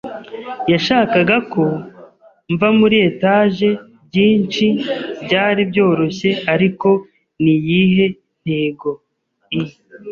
Yashakaga ko mva muri etage - byinshi byari byoroshye; ariko niyihe ntego I.